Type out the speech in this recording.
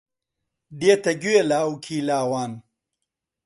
دێتە گوێ لاوکی لاوان